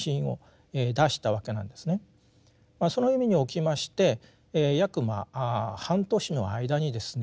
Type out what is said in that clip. その意味におきまして約半年の間にですね